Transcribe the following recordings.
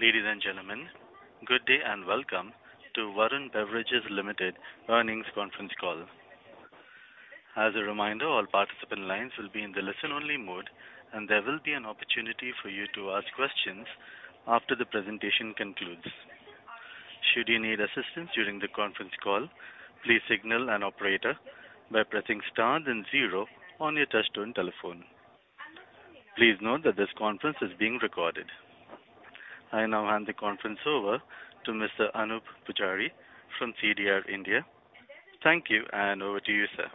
Ladies and gentlemen, good day and welcome to Varun Beverages Limited Earnings Conference Call. As a reminder, all participant lines will be in the listen-only mode, and there will be an opportunity for you to ask questions after the presentation concludes. Should you need assistance during the conference call, please signal an operator by pressing star then zero on your touch-tone telephone. Please note that this conference is being recorded. I now hand the conference over to Mr. Anoop Poojari from CDR India. Thank you, and over to you, sir.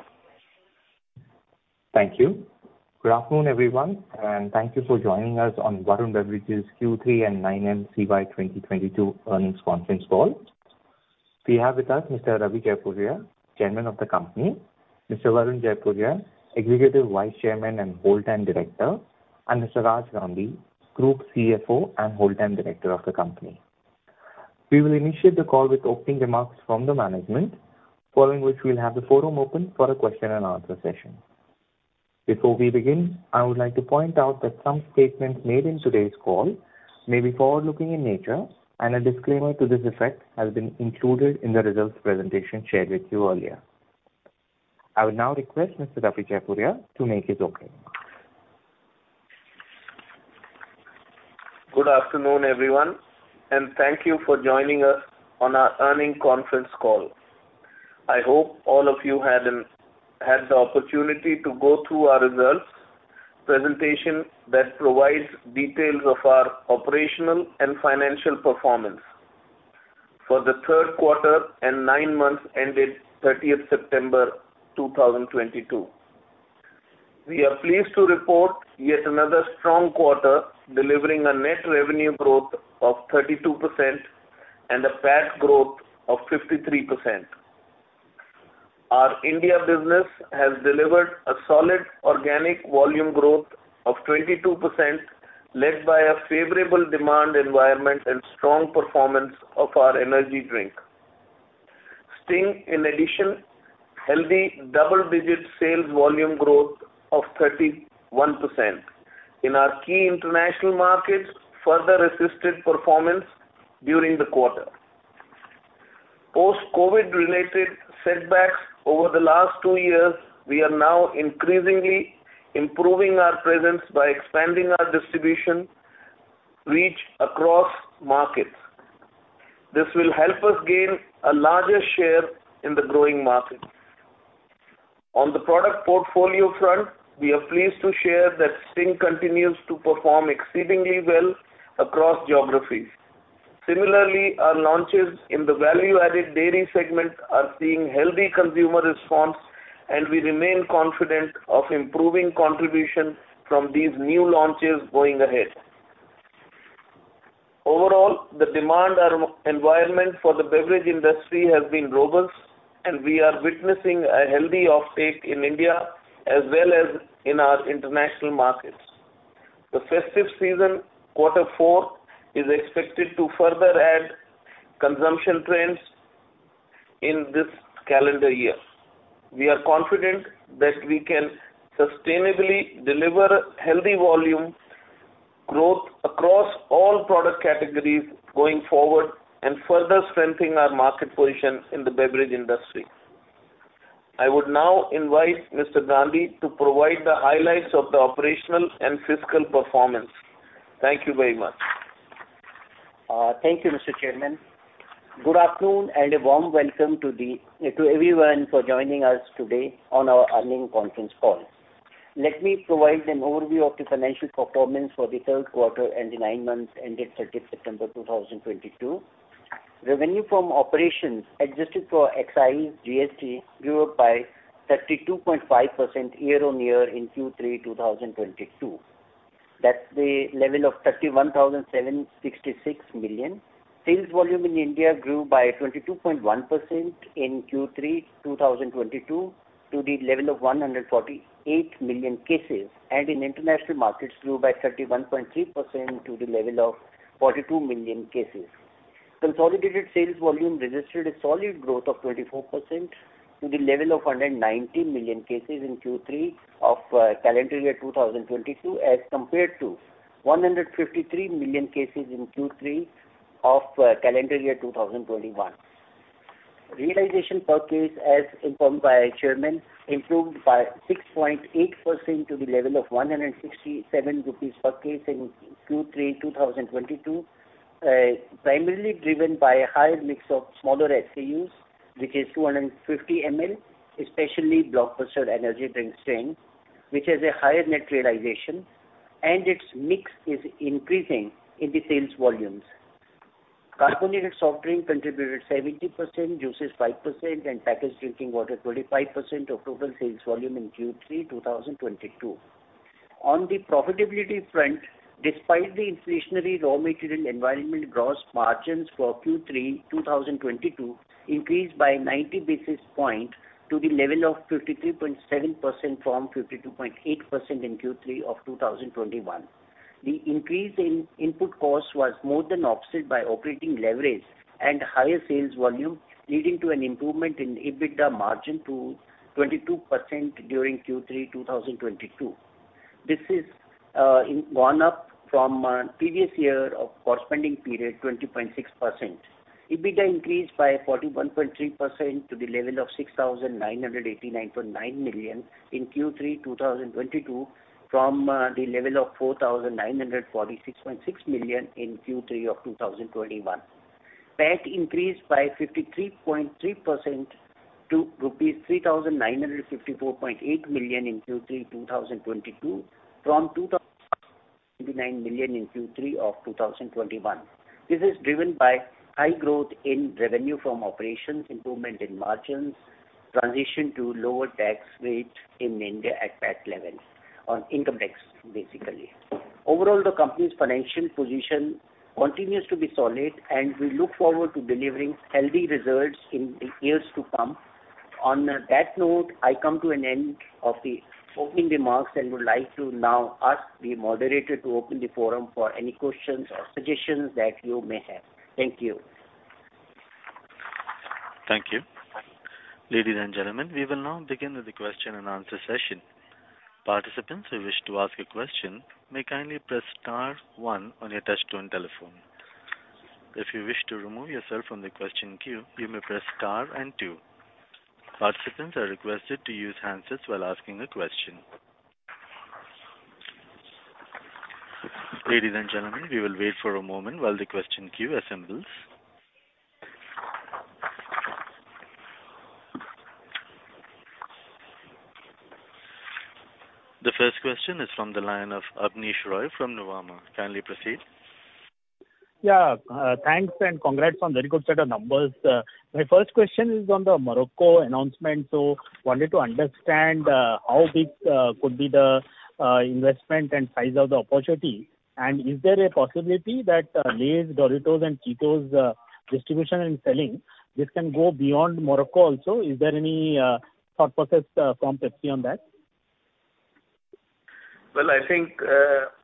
Thank you. Good afternoon, everyone, and thank you for joining us on Varun Beverages Q3 and 9M CY 2022 Earnings Conference Call. We have with us Mr. Ravi Jaipuria, Chairman of the company, Mr. Varun Jaipuria, Executive Vice Chairman and Whole-time Director, and Mr. Raj Gandhi, Group CFO and Whole-time Director of the company. We will initiate the call with opening remarks from the management, following which we'll have the forum open for a question and answer session. Before we begin, I would like to point out that some statements made in today's call may be forward-looking in nature, and a disclaimer to this effect has been included in the results presentation shared with you earlier. I would now request Mr. Ravi Jaipuria to make his opening remarks. Good afternoon, everyone, and thank you for joining us on our earnings conference call. I hope all of you had the opportunity to go through our results presentation that provides details of our operational and financial performance for the third quarter and nine months ended 30th September 2022. We are pleased to report yet another strong quarter, delivering a net revenue growth of 32% and a PAT growth of 53%. Our India business has delivered a solid organic volume growth of 22%, led by a favorable demand environment and strong performance of our energy drink Sting. In addition, healthy double-digit sales volume growth of 31% in our key international markets further assisted performance during the quarter. Post-COVID related setbacks over the last two years, we are now increasingly improving our presence by expanding our distribution reach across markets. This will help us gain a larger share in the growing market. On the product portfolio front, we are pleased to share that Sting continues to perform exceedingly well across geographies. Similarly, our launches in the value-added dairy segment are seeing healthy consumer response, and we remain confident of improving contribution from these new launches going ahead. Overall, the demand environment for the beverage industry has been robust, and we are witnessing a healthy offtake in India as well as in our international markets. The festive season quarter four is expected to further aid consumption trends in this calendar year. We are confident that we can sustainably deliver healthy volume growth across all product categories going forward and further strengthening our market position in the beverage industry. I would now invite Mr. Raj Gandhi to provide the highlights of the operational and fiscal performance. Thank you very much. Thank you, Mr. Chairman. Good afternoon and a warm welcome to everyone for joining us today on our earnings conference call. Let me provide an overview of the financial performance for the third quarter and the nine months ended 30th September 2022. Revenue from operations adjusted for excise GST grew by 32.5% year-on-year in Q3 2022. That's the level of 31,766 million. Sales volume in India grew by 22.1% in Q3 2022 to the level of 148 million cases, and in international markets grew by 31.3% to the level of 42 million cases. Consolidated sales volume registered a solid growth of 24% to the level of 190 million cases in Q3 of calendar year 2022 as compared to 153 million cases in Q3 of calendar year 2021. Realization per case, as informed by our chairman, improved by 6.8% to the level of 167 rupees per case in Q3 2022. Primarily driven by a higher mix of smaller SKUs, which is 250 ML, especially Blockbuster Energy Drink Sting, which has a higher net realization, and its mix is increasing in the sales volumes. Carbonated soft drink contributed 70%, juices 5%, and packaged drinking water 45% of total sales volume in Q3 2022. On the profitability front, despite the inflationary raw material environment, gross margins for Q3 2022 increased by 90 basis points to the level of 53.7% from 52.8% in Q3 of 2021. The increase in input costs was more than offset by operating leverage and higher sales volume, leading to an improvement in EBITDA margin to 22% during Q3 2022. This is gone up from previous year of corresponding period 20.6%. EBITDA increased by 41.3% to the level of 6,989.9 million in Q3 2022 from the level of 4,946.6 million in Q3 of 2021. PAT increased by 53.3% to rupees 3,954.8 million in Q3 2022 from 2,099 million in Q3 of 2021. This is driven by high growth in revenue from operations, improvement in margins, transition to lower tax rates in India at PAT level on income tax, basically. Overall, the company's financial position continues to be solid, and we look forward to delivering healthy results in the years to come. On that note, I come to an end of the opening remarks and would like to now ask the moderator to open the forum for any questions or suggestions that you may have. Thank you. Thank you. Ladies and gentlemen, we will now begin with the question and answer session. Participants who wish to ask a question may kindly press star one on your touchtone telephone. If you wish to remove yourself from the question queue, you may press star and two. Participants are requested to use handsets while asking a question. Ladies and gentlemen, we will wait for a moment while the question queue assembles. The first question is from the line of Abneesh Roy from Nuvama. Kindly proceed. Yeah, thanks and congrats on very good set of numbers. My first question is on the Morocco announcement. Wanted to understand how big could be the investment and size of the opportunity, and is there a possibility that Lay's, Doritos, and Cheetos distribution and selling this can go beyond Morocco also? Is there any thought process from Pepsi on that? Well, I think,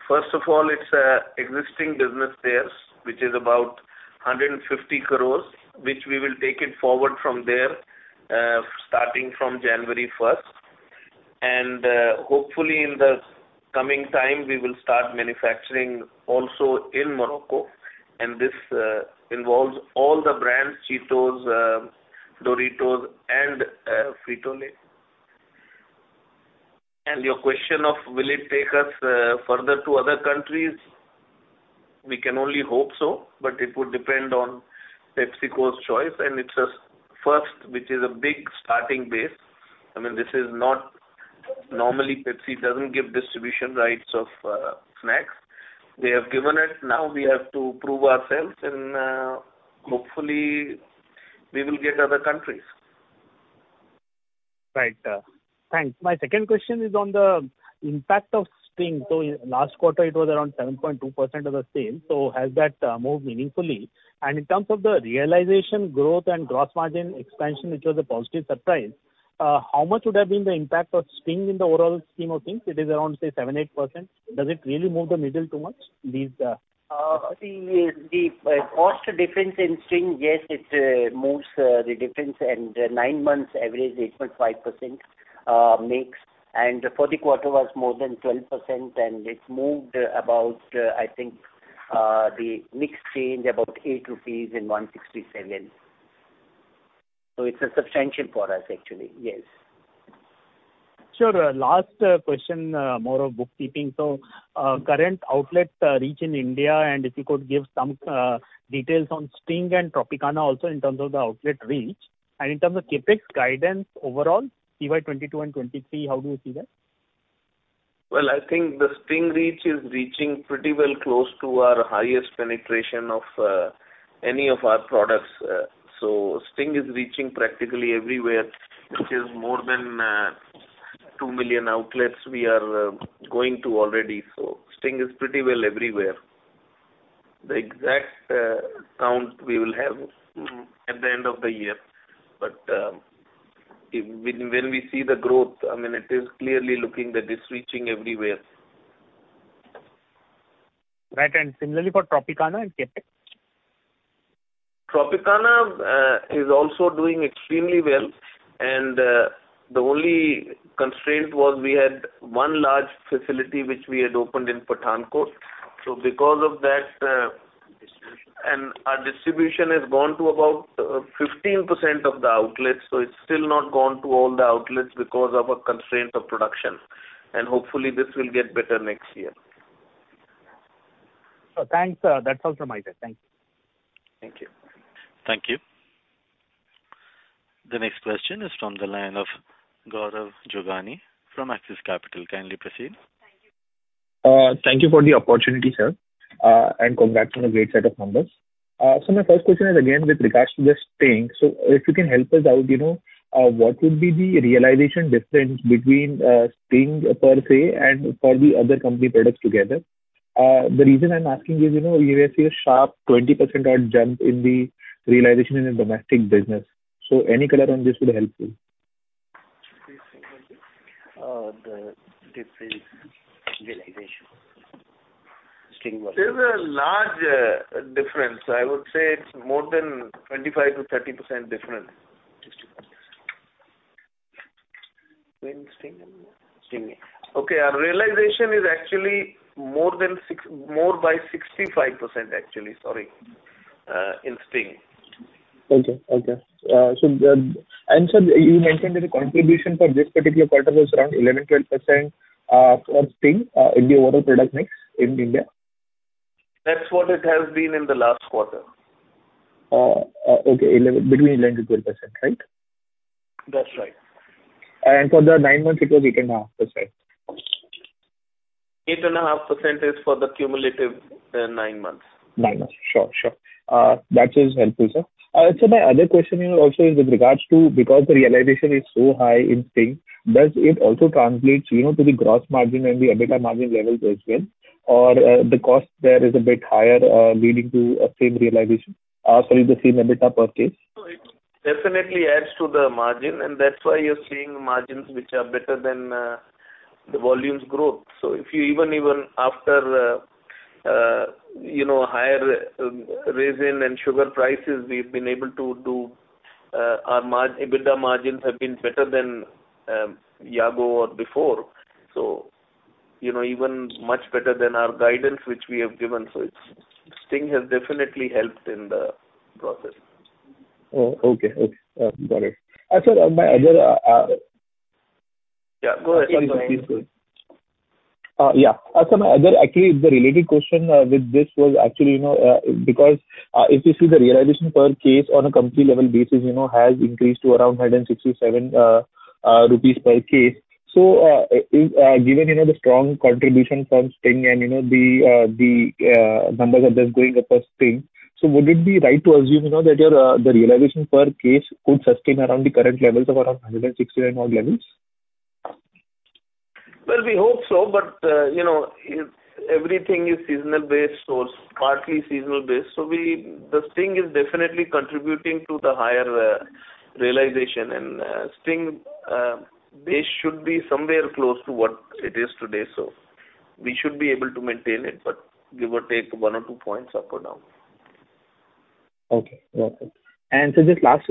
first of all, it's existing business there's, which is about 150 crores, which we will take it forward from there, starting from January 1st. Hopefully in the coming time we will start manufacturing also in Morocco, and this involves all the brands, Cheetos, Doritos and Frito-Lay. Your question of will it take us further to other countries, we can only hope so, but it would depend on PepsiCo's choice, and it's a first, which is a big starting base. I mean, this is not. Normally, Pepsi doesn't give distribution rights of snacks. They have given it. Now we have to prove ourselves and hopefully we will get other countries. Right. Thanks. My second question is on the impact of Sting. Last quarter it was around 7.2% of the sales, so has that moved meaningfully? In terms of the realization growth and gross margin expansion, which was a positive surprise, how much would have been the impact of Sting in the overall scheme of things? It is around, say, 7% to 8%. Does it really move the needle too much? These The cost difference in Sting, yes, it moves the difference and nine months average 8.5% mix, and for the quarter was more than 12% and it's moved about, I think, the mix change about 8 rupees and 1.67. It's substantial for us actually. Yes. Sure. Last question, more of bookkeeping. Current outlet reach in India, and if you could give some details on Sting and Tropicana also in terms of the outlet reach. In terms of CapEx guidance overall, CY 2022 and 2023, how do you see that? Well, I think the Sting reach is reaching pretty well close to our highest penetration of any of our products. Sting is reaching practically everywhere, which is more than 2 million outlets we are going to already. Sting is pretty well everywhere. The exact count we will have at the end of the year. When we see the growth, I mean, it is clearly looking that it's reaching everywhere. Right. Similarly for Tropicana and CapEx? Tropicana is also doing extremely well, and the only constraint was we had one large facility which we had opened in Pathankot. Because of that distribution. Our distribution has gone to about 15% of the outlets, so it's still not gone to all the outlets because of a constraint of production. Hopefully this will get better next year. Thanks. That's all from my side. Thank you. Thank you. Thank you. The next question is from the line of Gaurav Jogani from Axis Capital. Kindly proceed. Thank you. Thank you for the opportunity, sir. Congrats on a great set of numbers. My first question is again with regards to the Sting. If you can help us out, you know, what would be the realization difference between Sting per se and for the other company products together? The reason I'm asking is, you know, we have seen a sharp 20% odd jump in the realization in the domestic business. Any color on this would help me. The difference realization. There's a large difference. I would say it's more than 25% to 30% different. Okay. Our realization is actually more by 65%, actually. Sorry. In Sting. Sir, you mentioned that the contribution for this particular quarter was around 11% to 12% for Sting in the overall product mix in India. That's what it has been in the last quarter. Okay. Between 11% to 12%, right? That's right. For the nine months, it was 8.5%. 8.5% is for the cumulative nine months. Nine months. Sure. That is helpful, sir. My other question here also is with regards to, because the realization is so high in Sting, does it also translate, you know, to the gross margin and the EBITDA margin levels as well? The cost there is a bit higher, leading to a same realization. Sorry, the same EBITDA per case. No, it definitely adds to the margin, and that's why you're seeing margins which are better than the volumes growth. If you even after you know higher resin and sugar prices, we've been able to do our EBITDA margins have been better than year-ago or before, so you know even much better than our guidance, which we have given. It's Sting has definitely helped in the process. Oh, okay. Got it. Sir, my other... Yeah, go ahead. Sorry. Yeah. Sir, actually, the related question with this was actually, you know, because if you see the realization per case on a company level basis, you know, has increased to around 167 rupees per case. Given, you know, the strong contribution from Sting and, you know, the numbers are just going up for Sting. Would it be right to assume, you know, that the realization per case could sustain around the current levels of around 160-odd levels? Well, we hope so. You know, if everything is seasonally based or partly seasonally based. The Sting is definitely contributing to the higher realization. Sting base should be somewhere close to what it is today, so we should be able to maintain it, but give or take one or two points up or down. Okay. Got it.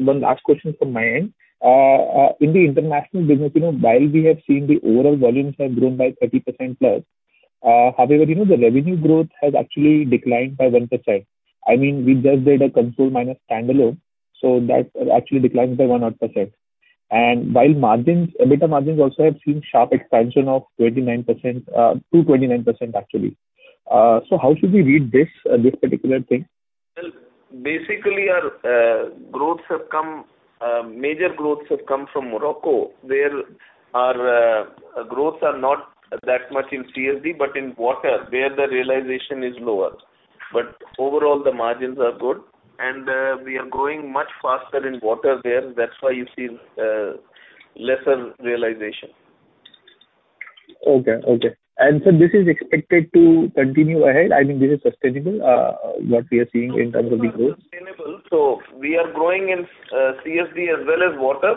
One last question from my end. In the international business, you know, while we have seen the overall volumes have grown by 30% plus, however, you know, the revenue growth has actually declined by 1%. I mean, we just did a console minus standalone, so that actually declined by 1% odd. While margins, EBITDA margins also have seen sharp expansion of 29%, to 29%, actually. How should we read this particular thing? Well, basically our major growth have come from Morocco, where our growth are not that much in CSD, but in water, where the realization is lower. Overall, the margins are good. We are growing much faster in water there. That's why you see lesser realization. Okay. This is expected to continue ahead? I mean, this is sustainable, what we are seeing in terms of the growth? Sustainable. We are growing in CSD as well as water.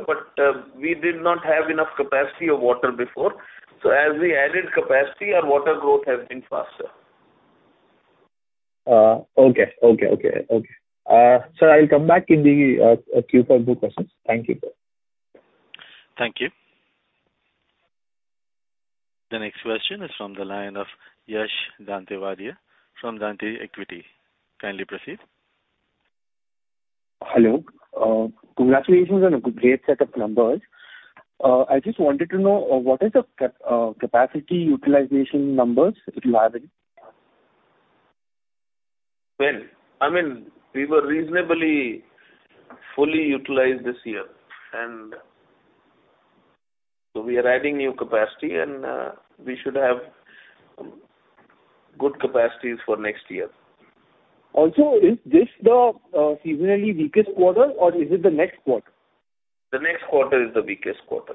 We did not have enough capacity of water before. As we added capacity, our water growth has been faster. Okay. Sir, I'll come back in the queue for more questions. Thank you, sir. Thank you. The next question is from the line of Yash Dantewadia from Dante Equity. Kindly proceed. Hello. Congratulations on a great set of numbers. I just wanted to know, what is the capacity utilization numbers, if you have it? Well, I mean, we were reasonably fully utilized this year. We are adding new capacity and we should have good capacities for next year. Also, is this the seasonally weakest quarter or is it the next quarter? The next quarter is the weakest quarter.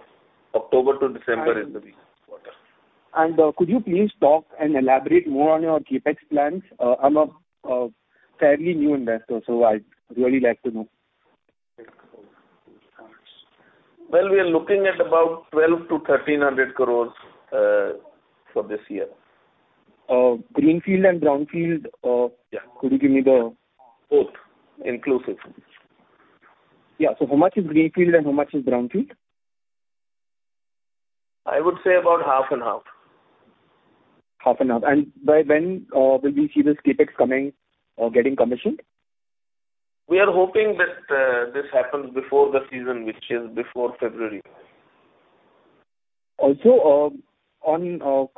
October to December is the weakest quarter. Could you please talk and elaborate more on your CapEx plans? I'm a fairly new investor, so I'd really like to know. Well, we are looking at about 1,200 to 1,300 crores for this year. Greenfield and brownfield. Yeah. Could you give me the? Both inclusive. Yeah. How much is greenfield and how much is brownfield? I would say about half and half. Half and half. By when will we see this CapEx coming or getting commissioned? We are hoping that, this happens before the season, which is before February. Could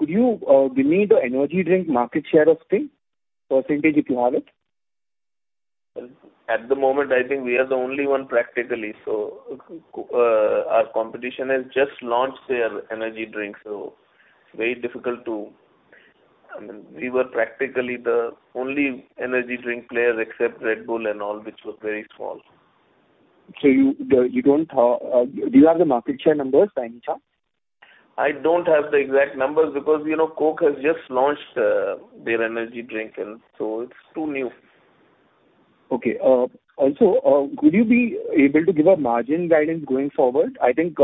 you give me the energy drink market share of Sting, percentage, if you have it? At the moment, I think we are the only one practically. Our competition has just launched their energy drink. I mean, we were practically the only energy drink player except Red Bull and all, which was very small. Do you have the market share numbers by any chance? I don't have the exact numbers because, you know, Coke has just launched their energy drink and so it's too new. Okay. Also, could you be able to give a margin guidance going forward? I think,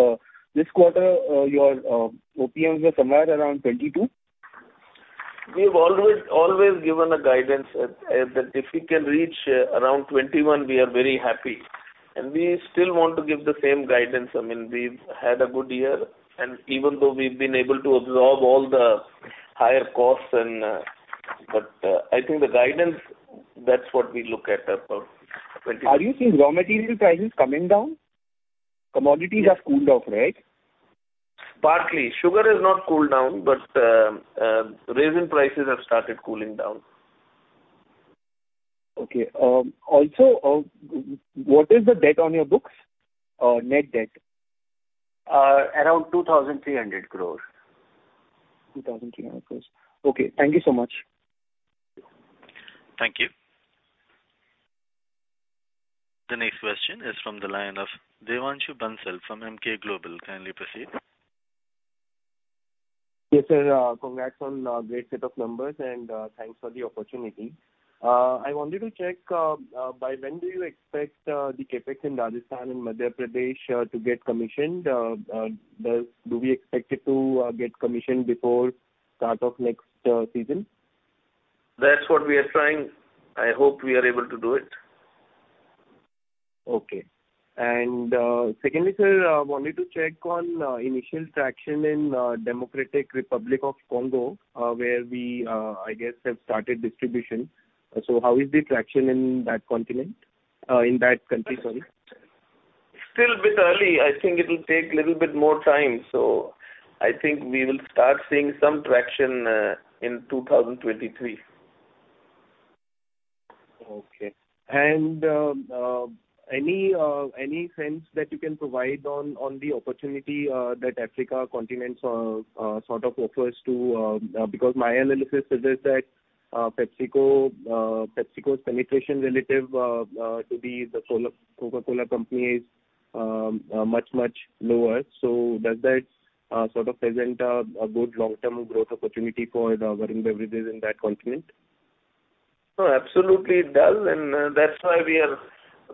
this quarter, your OPMs were somewhere around 22%. We've always given a guidance that if we can reach around 21%, we are very happy. We still want to give the same guidance. I mean, we've had a good year, and even though we've been able to absorb all the higher costs. I think the guidance, that's what we look at for 22%. Are you seeing raw material prices coming down? It have cooled off, right? Partly. Sugar has not cooled down, but resin prices have started cooling down. Okay. Also, what is the debt on your books? Net debt. Around 2,300 crore. 2,300 crores. Okay, thank you so much. Thank you. The next question is from the line of Devanshu Bansal from Emkay Global. Kindly proceed. Yes, sir. Congrats on a great set of numbers, and thanks for the opportunity. I wanted to check by when do you expect the CapEx in Rajasthan and Madhya Pradesh to get commissioned? Do we expect it to get commissioned before start of next season? That's what we are trying. I hope we are able to do it. Okay. Secondly, sir, wanted to check on initial traction in Democratic Republic of the Congo, where we, I guess, have started distribution. How is the traction in that continent? In that country, sorry. Still a bit early. I think it'll take little bit more time. I think we will start seeing some traction in 2023. Okay. Any sense that you can provide on the opportunity that the African continent sort of offers to? Because my analysis suggests that PepsiCo's penetration relative to the Coca-Cola Company is much lower. Does that sort of present a good long-term growth opportunity for Varun Beverages in that continent? No, absolutely it does. That's why we are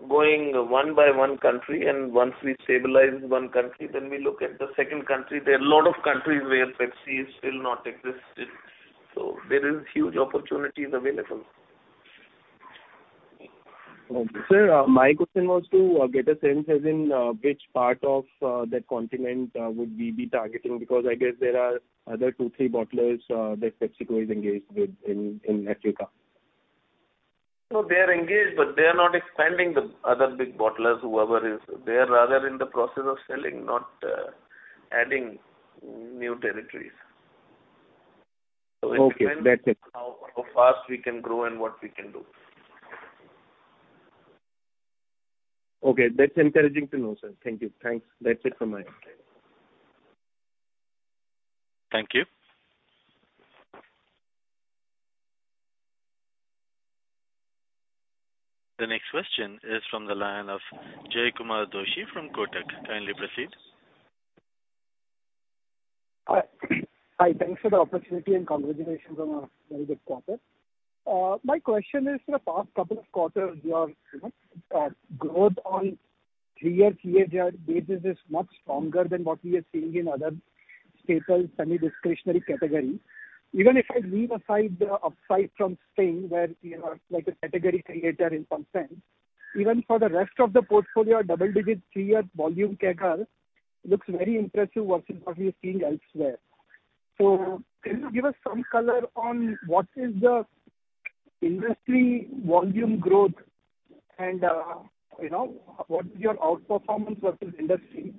going one by one country. Once we stabilize one country, then we look at the second country. There are a lot of countries where Pepsi is still not existed, so there is huge opportunities available. Okay. Sir, my question was to get a sense as in which part of that continent would we be targeting because I guess there are other two, three bottlers that PepsiCo is engaged with in Africa? No, they are engaged, but they are not expanding, the other big bottlers, whoever is. They are rather in the process of selling, not adding new territories. Okay. That's it. It depends how fast we can grow and what we can do. Okay. That's encouraging to know, sir. Thank you. Thanks. That's it from my end. Thank you. The next question is from the line of Jaykumar Doshi from Kotak. Kindly proceed. Hi. Hi. Thanks for the opportunity and congratulations on a very good quarter. My question is in the past couple of quarters, your, you know, growth on three-year CAGR basis is much stronger than what we are seeing in other staples, semi-discretionary category. Even if I leave aside the upside from Sting, where you are like a category creator in some sense, even for the rest of the portfolio, double-digit three-year volume CAGR looks very impressive versus what we are seeing elsewhere. Can you give us some color on what is the industry volume growth and, you know, what is your outperformance versus industry?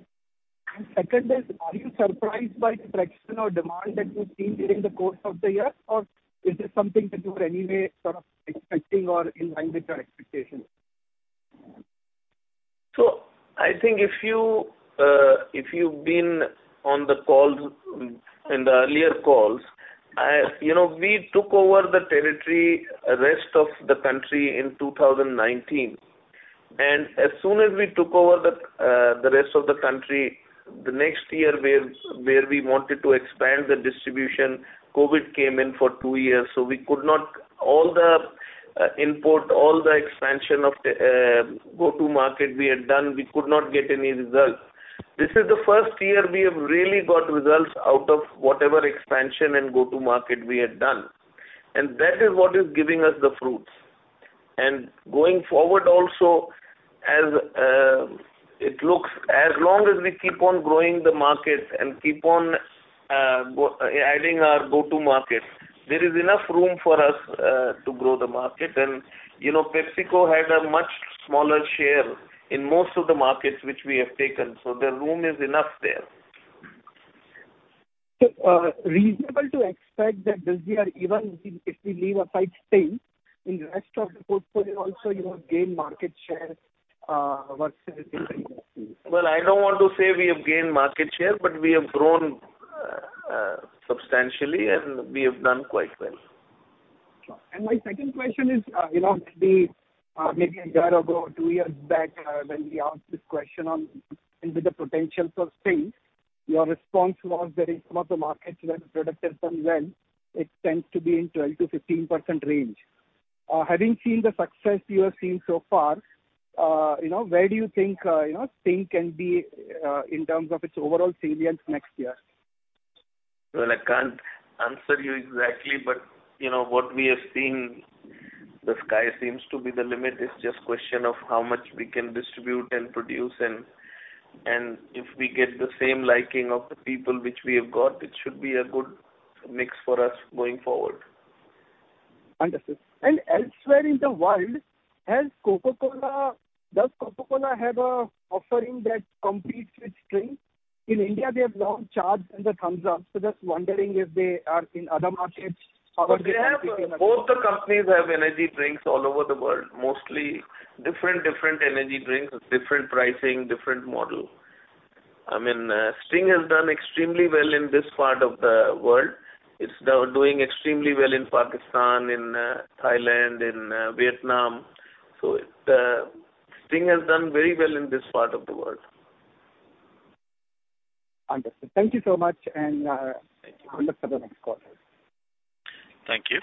And second is, are you surprised by the traction or demand that you've seen during the course of the year, or is this something that you were anyway sort of expecting or in line with your expectations? I think if you've been on the calls in the earlier calls, you know, we took over the territory, rest of the country in 2019. As soon as we took over the rest of the country, the next year when we wanted to expand the distribution, COVID came in for two years, so we could not. All the important expansion of the go-to-market we had done, we could not get any results. This is the first year we have really got results out of whatever expansion and go-to-market we had done, and that is what is giving us the fruits. Going forward also, as long as we keep on growing the markets and keep on adding our go-to markets, there is enough room for us to grow the market. You know, PepsiCo had a much smaller share in most of the markets which we have taken, so the room is enough there. Reasonable to expect that this year, even if we leave aside Sting, in the rest of the portfolio also you have gained market share versus. Well, I don't want to say we have gained market share, but we have grown substantially, and we have done quite well. Sure. My second question is, you know, maybe a year ago or two years back, when we asked this question on the potentials of Sting. Your response was that in some of the markets where the product has done well, it tends to be in 12% to 15% range. Having seen the success you have seen so far, you know, where do you think, you know, Sting can be, in terms of its overall salience next year? Well, I can't answer you exactly, but you know what we have seen, the sky seems to be the limit. It's just question of how much we can distribute and produce and if we get the same liking of the people which we have got, it should be a good mix for us going forward. Understood. Elsewhere in the world, has Coca-Cola... Does Coca-Cola have an offering that competes with Sting? In India, they have long chart, Thums Up. Just wondering if they are in other markets. They have both the companies have energy drinks all over the world, mostly different energy drinks, different pricing, different model. I mean, Sting has done extremely well in this part of the world. It's now doing extremely well in Pakistan, in Thailand, in Vietnam. It, Sting has done very well in this part of the world. Understood. Thank you so much. Thank you. Look for the next quarter. Thank you.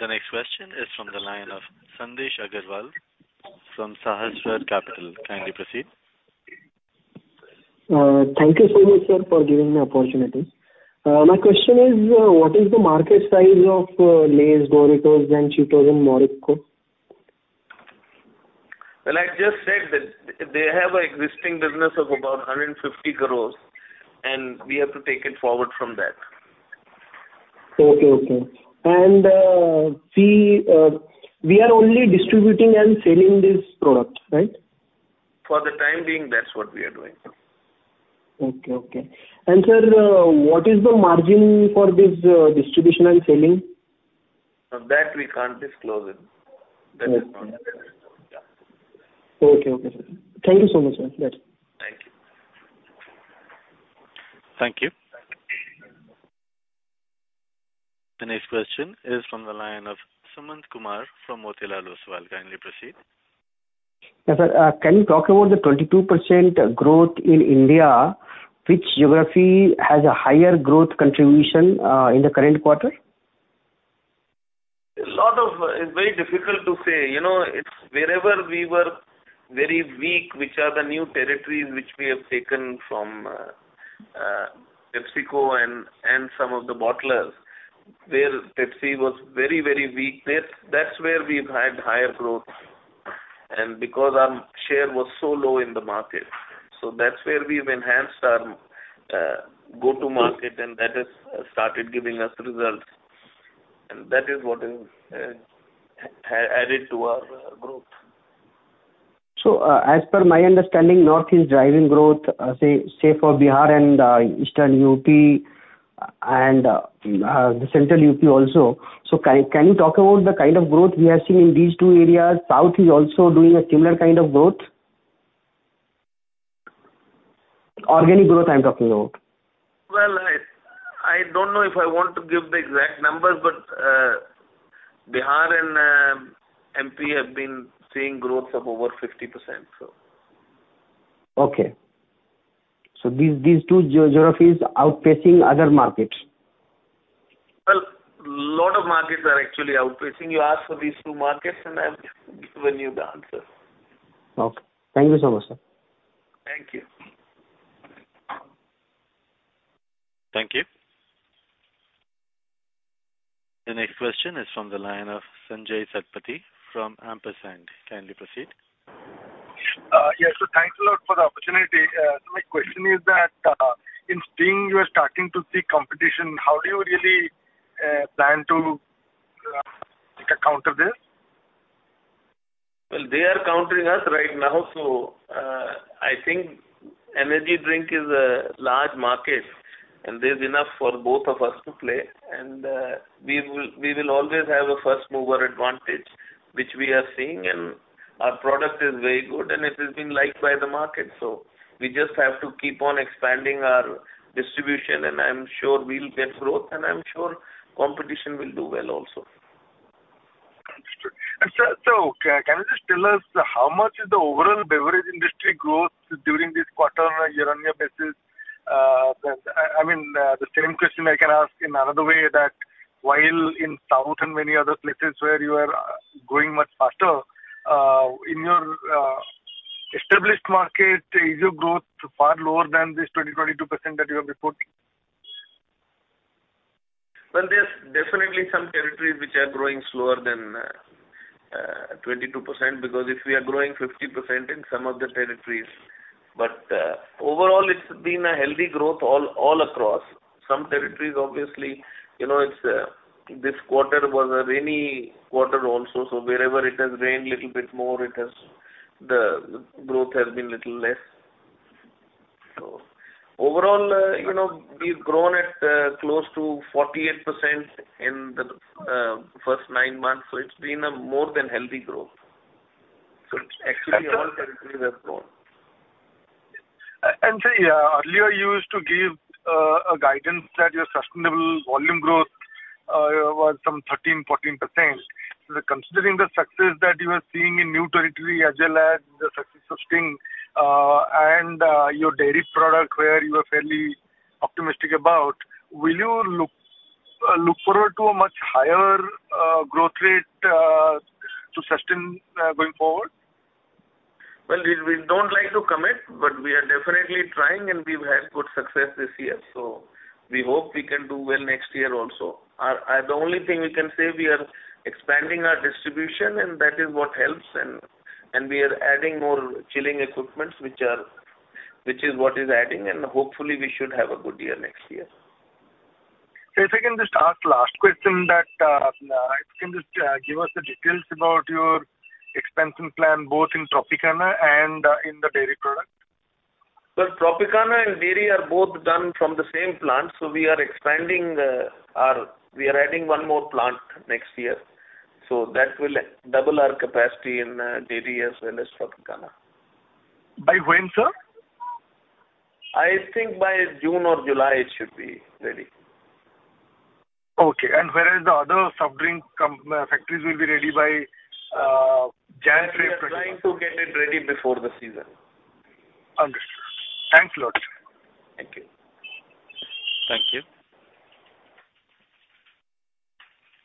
The next question is from the line of Sandesh Agrawal from Sahasra Capital. Kindly proceed. Thank you so much, sir, for giving me opportunity. My question is, what is the market size of Lay's, Doritos, and Cheetos in Morocco? Well, I just said that they have an existing business of about 150 crore, and we have to take it forward from that. Okay. See, we are only distributing and selling this product, right? For the time being, that's what we are doing. Okay. Sir, what is the margin for this distribution and selling? That we can't disclose it. Okay. Thank you so much, sir. That's it. Thank you. Thank you. The next question is from the line of Sumant Kumar from Motilal Oswal. Kindly proceed. Yes, sir. Can you talk about the 22% growth in India, which geography has a higher growth contribution, in the current quarter? It's very difficult to say. You know, it's wherever we were very weak, which are the new territories which we have taken from PepsiCo and some of the bottlers, where Pepsi was very, very weak, that's where we've had higher growth. Because our share was so low in the market, so that's where we've enhanced our go-to-market, and that has started giving us results. That is what is added to our growth. As per my understanding, North is driving growth, say for Bihar and Eastern UP and the Central UP also. Can you talk about the kind of growth we have seen in these two areas? South is also doing a similar kind of growth. Organic growth I'm talking about. Well, I don't know if I want to give the exact numbers, but Bihar and MP have been seeing growth of over 50%, so. These two geographies outpacing other markets. Well, lot of markets are actually outpacing. You asked for these two markets, and I've given you the answer. Okay. Thank you so much, sir. Thank you. Thank you. The next question is from the line of Sanjaya Satapathy from Ampersand. Kindly proceed. Yes. Thanks a lot for the opportunity. My question is that, in Sting, you are starting to see competition. How do you really plan to take account of this? Well, they are counting us right now, so, I think energy drink is a large market and there's enough for both of us to play. We will always have a first mover advantage, which we are seeing, and our product is very good and it is being liked by the market. We just have to keep on expanding our distribution, and I'm sure we'll get growth, and I'm sure competition will do well also. Understood. Sir, can you just tell us how much is the overall beverage industry growth during this quarter on a year-on-year basis? I mean, the same question I can ask in another way that while in South and many other places where you are growing much faster, in your established market, is your growth far lower than this 20% to 22% that you have reported? Well, there's definitely some territories which are growing slower than 22% because if we are growing 50% in some of the territories. Overall it's been a healthy growth all across. Some territories obviously, you know, it's this quarter was a rainy quarter also. Wherever it has rained little bit more, it has. The growth has been little less. Overall, you know, we've grown at close to 48% in the first nine months, so it's been a more than healthy growth. It's actually all territories have grown. Sir, earlier you used to give a guidance that your sustainable volume growth was some 13% to 14%. Considering the success that you are seeing in new territory as well as the success of Sting and your dairy product where you are fairly optimistic about, will you look forward to a much higher growth rate to sustain going forward? Well, we don't like to commit, but we are definitely trying, and we've had good success this year. We hope we can do well next year also. The only thing we can say we are expanding our distribution, and that is what helps and we are adding more chilling equipments, which is what is adding, and hopefully we should have a good year next year. Sir, if I can just ask last question that if you can just give us the details about your expansion plan both in Tropicana and in the dairy product. Well, Tropicana and dairy are both done from the same plant, so we are expanding. We are adding one more plant next year. That will double our capacity in dairy as well as Tropicana. By when, sir? I think by June or July it should be ready. Whereas the other soft drink factories will be ready by January. We are trying to get it ready before the season. Understood. Thanks a lot. Thank you. Thank you.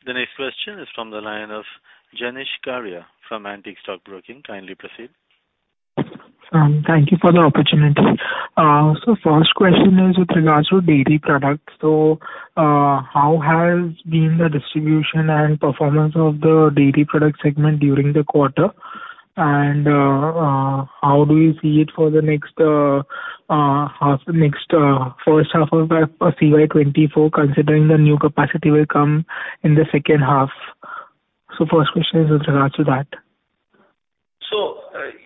The next question is from the line of Jenish Karia from Antique Stock Broking. Kindly proceed. Thank you for the opportunity. First question is with regards to dairy products. How has been the distribution and performance of the dairy product segment during the quarter? How do you see it for the next first half of the CY 2024, considering the new capacity will come in the second half? First question is with regards to that.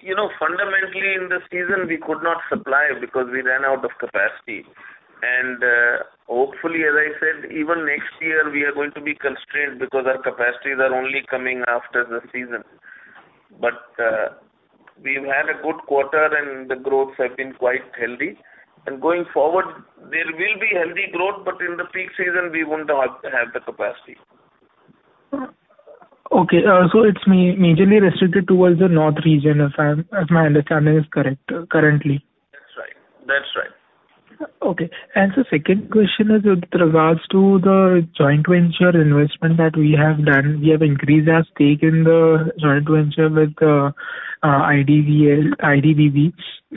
You know, fundamentally in the season we could not supply because we ran out of capacity. Hopefully, as I said, even next year we are going to be constrained because our capacities are only coming after the season. We've had a good quarter and the growth has been quite healthy. Going forward, there will be healthy growth, but in the peak season we won't have the capacity. It's majorly restricted towards the north region, if my understanding is correct, currently. That's right. That's right. Okay. The second question is with regards to the joint venture investment that we have done. We have increased our stake in the joint venture with IBCL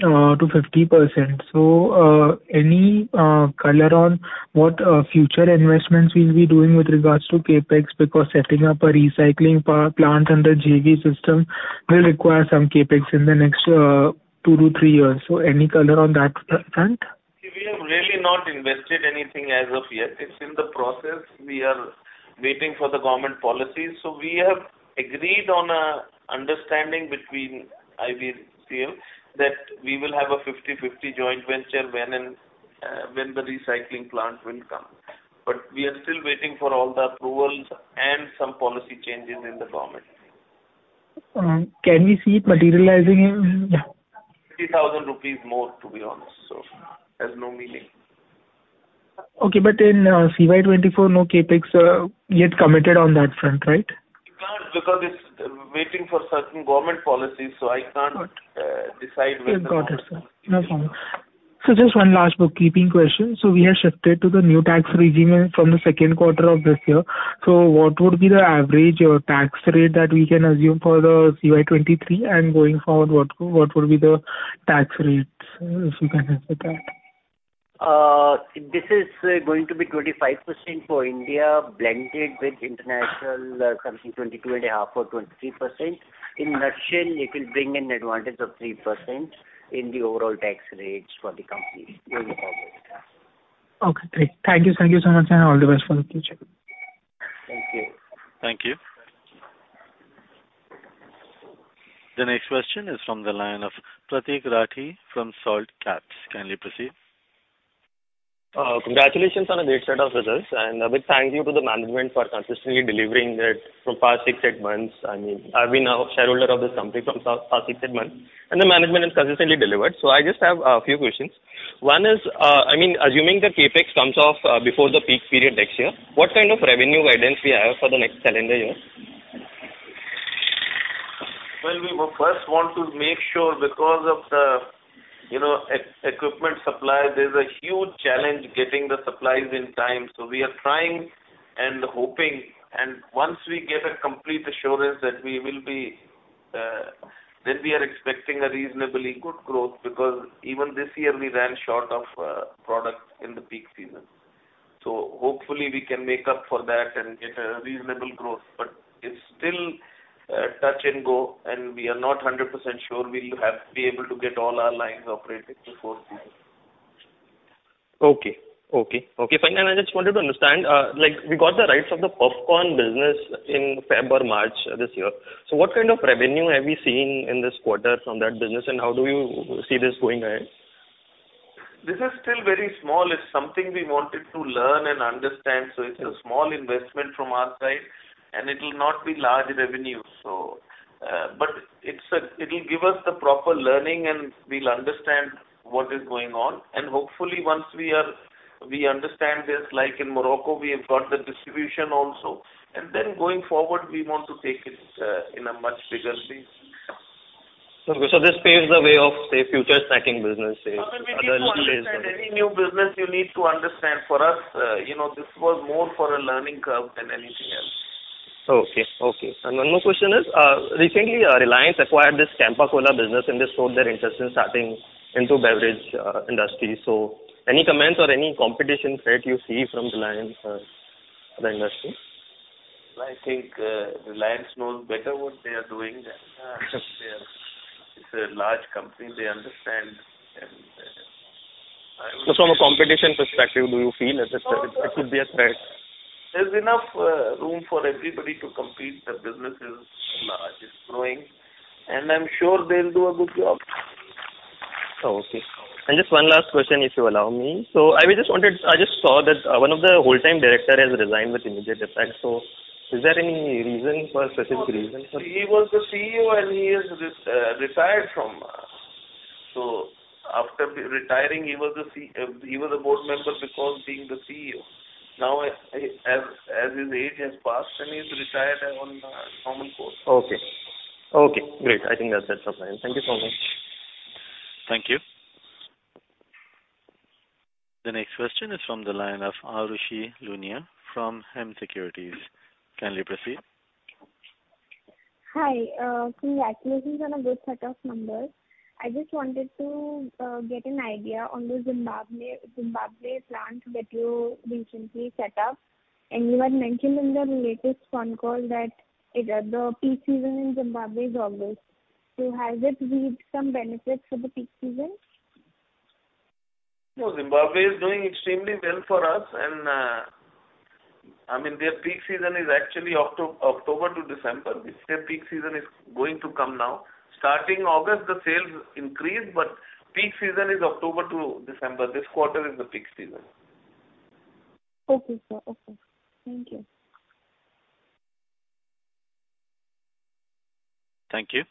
to 50%. Any color on what future investments we'll be doing with regards to CapEx? Because setting up a recycling plant under JV system will require some CapEx in the next two to three years. Any color on that front? We have really not invested anything as of yet. It's in the process. We are waiting for the government policies. We have agreed on an understanding between IBCL that we will have a 50/50 joint venture when the recycling plant will come. We are still waiting for all the approvals and some policy changes in the government. Can we see it materializing in- 30,000 rupees more, to be honest, so has no meaning. Okay, in CY 2024, no CapEx yet committed on that front, right? We can't because it's waiting for certain government policies, so I can't decide when. Got it, sir. No problem. Just one last bookkeeping question. We have shifted to the new tax regime from the second quarter of this year. What would be the average or tax rate that we can assume for the CY 2023? Going forward, what would be the tax rates if you can help with that? This is going to be 25% for India, blended with international, something 22.5 or 23%. In a nutshell, it will bring an advantage of 3% in the overall tax rates for the company going forward. Okay, great. Thank you. Thank you so much, and all the best for the future. Thank you. Thank you. The next question is from the line of Prateek Rathi from Salt Caps. Kindly proceed. Congratulations on a great set of results. A big thank you to the management for consistently delivering it from past six, eight months. I mean, I've been a shareholder of this company from past six, eight months, and the management has consistently delivered. I just have a few questions. One is, I mean, assuming the CapEx comes off before the peak period next year, what kind of revenue guidance we have for the next calendar year? Well, we will first want to make sure because of the, you know, equipment supply, there's a huge challenge getting the supplies in time. We are trying and hoping, and once we get a complete assurance that we will be, then we are expecting a reasonably good growth because even this year we ran short of product in the peak season. Hopefully we can make up for that and get a reasonable growth. It's still touch and go, and we are not 100% sure we'll be able to get all our lines operating before peak. Okay, fine. I just wanted to understand, like we got the rights of the puffcorn business in February or March this year. What kind of revenue have we seen in this quarter from that business, and how do you see this going ahead? This is still very small. It's something we wanted to learn and understand, so it's a small investment from our side, and it will not be large revenue. It'll give us the proper learning, and we'll understand what is going on. Hopefully, once we are, we understand this, like in Morocco, we have got the distribution also, and then going forward, we want to take it in a much bigger way. Okay. This paves the way of, say, future snacking businesses, other new business. Any new business you need to understand. For us, you know, this was more for a learning curve than anything else. Okay. One more question is, recently, Reliance acquired this Campa Cola business, and they showed their interest in starting into beverage industry. Any comments or any competition threat you see from Reliance for the industry? I think, Reliance knows better what they are doing. It's a large company, they understand, and I would. Just from a competition perspective, do you feel that it could be a threat? There's enough room for everybody to compete. The business is large, it's growing, and I'm sure they'll do a good job. Okay. Just one last question, if you allow me. I just saw that one of the whole-time director has resigned with immediate effect. Is there any reason for such a reason, sir? He was the CEO and he has retired from us. After retiring, he was a board member because being the CEO. Now as his age has passed then he's retired in normal course. Okay. Okay, great. I think that's that for now. Thank you so much. Thank you. The next question is from the line of Aarushi Lunia from Hem Securities. Kindly proceed. Hi. Congratulations on a good set of numbers. I just wanted to get an idea on the Zimbabwe plant that you recently set up. You had mentioned in the latest phone call that the peak season in Zimbabwe is August. Has it reaped some benefits for the peak season? No, Zimbabwe is doing extremely well for us. I mean, their peak season is actually October to December. This year peak season is going to come now. Starting August, the sales increase, but peak season is October to December. This quarter is the peak season. Okay, sir. Okay. Thank you. Thank you.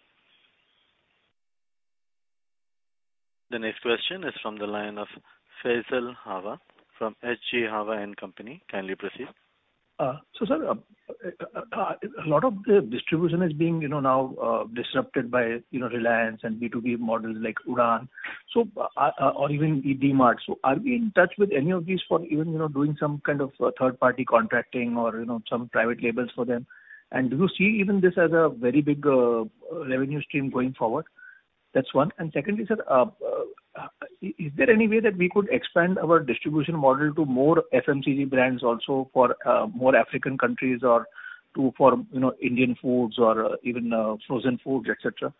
The next question is from the line of Faisal Hawa from H.G. Hawa & Co. Kindly proceed. Sir, a lot of the distribution is being, you know, now disrupted by, you know, Reliance and B2B models like Udaan or even DVMart. Are we in touch with any of these for even, you know, doing some kind of third-party contracting or, you know, some private labels for them? And do you see even this as a very big revenue stream going forward? That's one. Secondly, sir, is there any way that we could expand our distribution model to more FMCG brands also for more African countries or to, for, you know, Indian foods or even frozen foods, et cetera?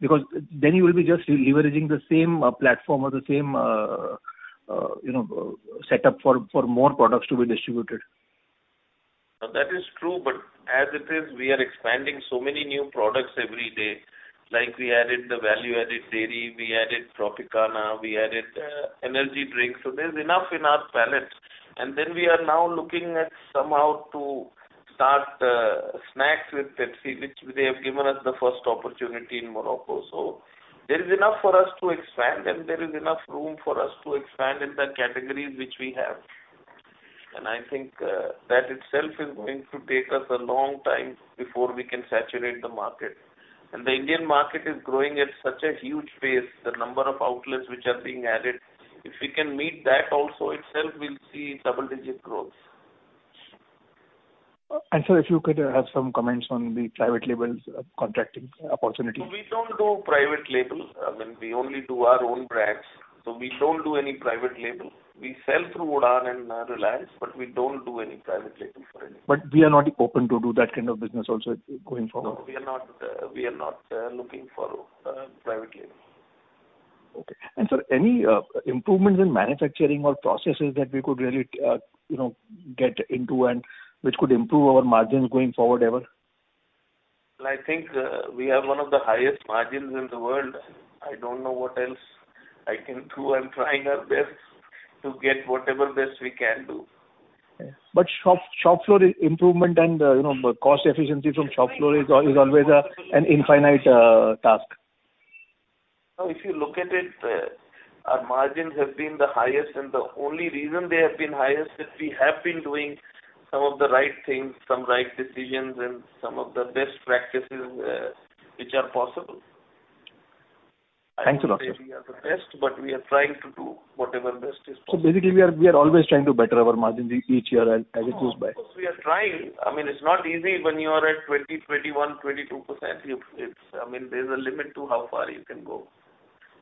Because then you will be just leveraging the same platform or the same, you know, setup for more products to be distributed. That is true, but as it is, we are expanding so many new products every day. Like we added the value-added dairy, we added Tropicana, we added energy drinks. There's enough in our palette. We are now looking at somehow to start snacks with Pepsi, which they have given us the first opportunity in Morocco. There is enough for us to expand, and there is enough room for us to expand in the categories which we have. I think that itself is going to take us a long time before we can saturate the market. The Indian market is growing at such a huge pace, the number of outlets which are being added. If we can meet that also itself, we'll see double-digit growth. Sir, if you could have some comments on the private labels contracting opportunity. We don't do private label. I mean, we only do our own brands, so we don't do any private label. We sell through Udaan and Reliance, but we don't do any private label for any. We are not open to do that kind of business also going forward? No, we are not looking for private label. Okay. Sir, any improvements in manufacturing or processes that we could really, you know, get into and which could improve our margins going forward ever? I think, we have one of the highest margins in the world. I don't know what else I can do. I'm trying our best to get whatever best we can do. Shop floor improvement and, you know, cost efficiency from shop floor is always an infinite task. No, if you look at it, our margins have been the highest, and the only reason they have been highest is we have been doing some of the right things, some right decisions, and some of the best practices, which are possible. Thanks a lot, sir. I won't say we are the best, but we are trying to do whatever best is possible. Basically, we are always trying to better our margins each year as it goes by. Of course, we are trying. I mean, it's not easy when you are at 20%, 21%, 22%. It's, I mean, there's a limit to how far you can go.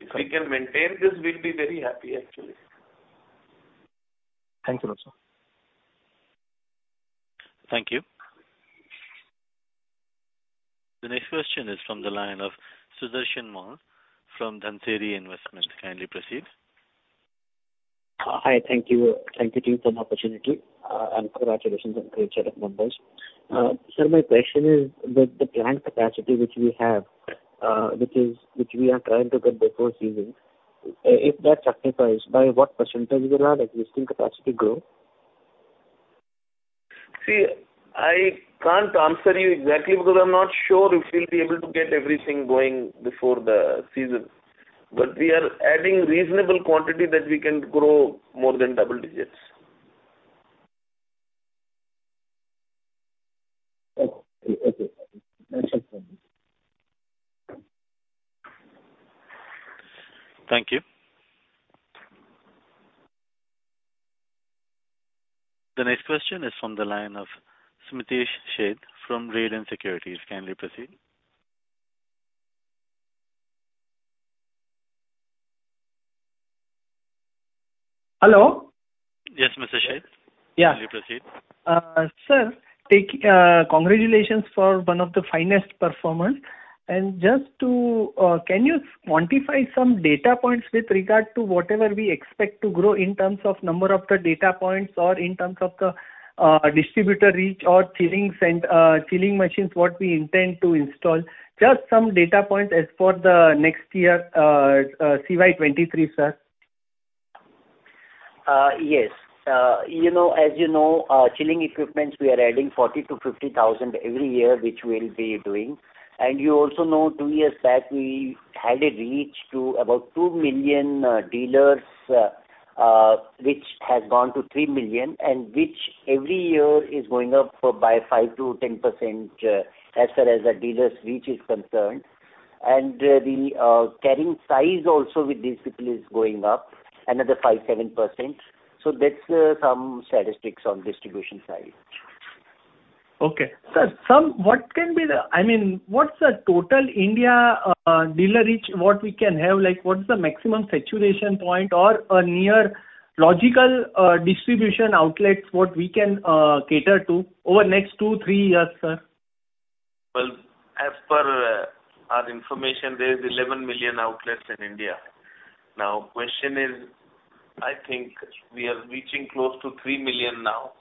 If we can maintain this, we'll be very happy, actually. Thanks a lot, sir. Thank you. The next question is from the line of Sudarshan Mall from Dhunseri Investments. Kindly proceed. Hi. Thank you for the opportunity, and congratulations on great set of numbers. Sir, my question is that the plant capacity which we have, which we are trying to get before season, if that satisfies, by what percentage will our existing capacity grow? See, I can't answer you exactly because I'm not sure if we'll be able to get everything going before the season. We are adding reasonable quantity that we can grow more than double digits. Okay. Okay. That's it for me. Thank you. The next question is from the line of Smitesh Sheth from Reliance Securities. Kindly proceed. Hello? Yes, Mr. Sheth. Yeah. Please proceed. Sir, thanks, congratulations for one of the finest performance. Just to, can you quantify some data points with regard to whatever we expect to grow in terms of number of the data points or in terms of the distributor reach or chilling machines, what we intend to install, just some data points asked for the next year, CY 2023, sir. Yes. You know, as you know, chilling equipments, we are adding 40,000 to 50,000 every year, which we'll be doing. You also know two years back, we had a reach to about 2 million dealers, which has gone to 3 million, and which every year is going up by 5% to 10%, as far as the dealers reach is concerned. The carrying size also with these people is going up another 5% to 7%. That's some statistics on distribution side. Sir, I mean, what's the total India dealer reach, what we can have? Like, what's the maximum saturation point or near-logical distribution outlets what we can cater to over next two, three years, sir? Well, as per our information, there is 11 million outlets in India. Now, question is, I think we are reaching close to 3 million now.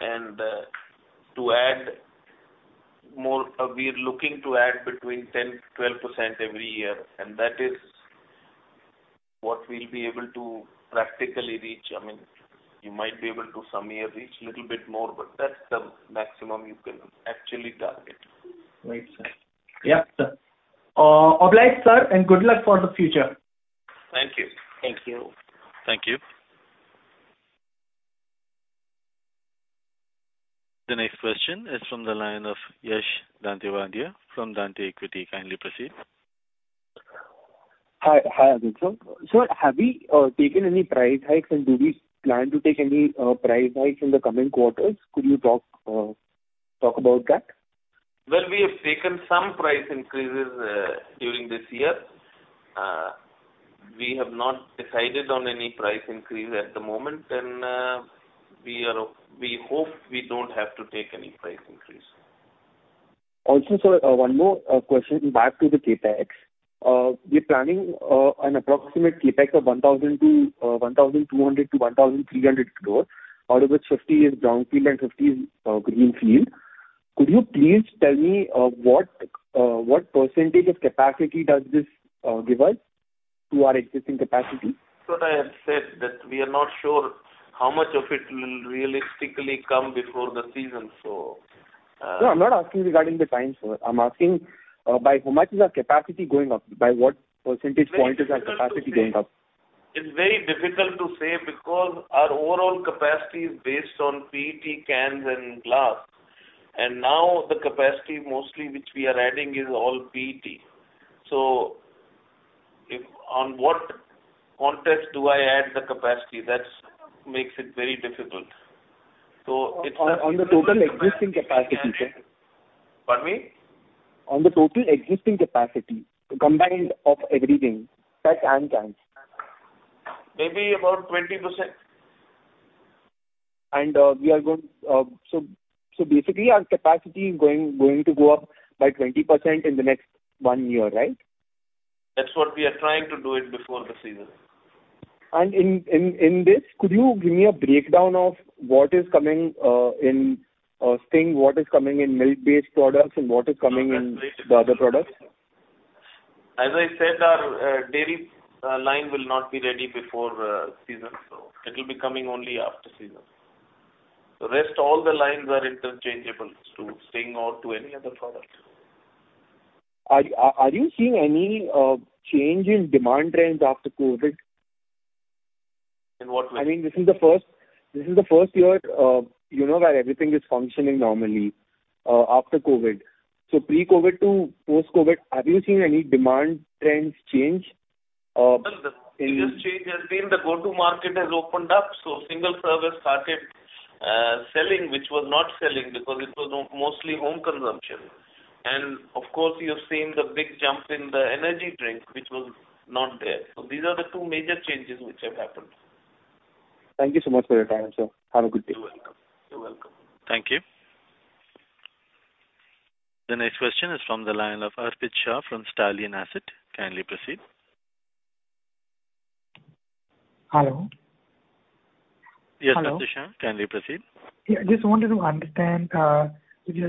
To add more, we are looking to add between 10% to 12% every year, and that is what we'll be able to practically reach. I mean, you might be able to some year reach a little bit more, but that's the maximum you can actually target. Right. Yeah. Obliged, sir, and good luck for the future. Thank you. Thank you. Thank you. The next question is from the line of Yash Dantewadia from Dante Equity. Kindly proceed. Hi. Hi, sir. Sir, have you taken any price hikes, and do we plan to take any price hikes in the coming quarters? Could you talk about that? Well, we have taken some price increases during this year. We have not decided on any price increase at the moment. We hope we don't have to take any price increase. Also, sir, one more question back to the CapEx. We're planning an approximate CapEx of 1,000 to 1,200 to 1,300 crores, out of which 50% is brownfield and 50% is greenfield. Could you please tell me what percentage of capacity does this give us to our existing capacity? I have said that we are not sure how much of it will realistically come before the season. No, I'm not asking regarding the time, sir. I'm asking, by how much is our capacity going up? By what percentage point is our capacity going up? It's very difficult to say because our overall capacity is based on PT cans and glass. Now the capacity mostly which we are adding is all PT. In what context do I add the capacity? That makes it very difficult. It's not. On the total existing capacity, sir. Pardon me. On the total existing capacity, combined of everything, PT and cans. Maybe about 20%. Basically our capacity is going to go up by 20% in the next one year, right? That's what we are trying to do it before the season. In this, could you give me a breakdown of what is coming in Sting, what is coming in milk-based products and what is coming in the other products? As I said, our dairy line will not be ready before season. It'll be coming only after season. Rest all the lines are interchangeable to Sting or to any other product. Are you seeing any change in demand trends after COVID? In what way? I mean, this is the first year, you know, where everything is functioning normally after COVID. Pre-COVID to post-COVID, have you seen any demand trends change in. Well, the biggest change has been the Go-To-Market has opened up, so single serve has started selling, which was not selling because it was mostly home consumption. Of course, you've seen the big jump in the energy drink, which was not there. These are the two major changes which have happened. Thank you so much for your time, sir. Have a good day. You're welcome. You're welcome. Thank you. The next question is from the line of Arpit Shah from Stallion Asset. Kindly proceed. Hello? Yes, Arpit Shah, kindly proceed. Yeah, just wanted to understand, because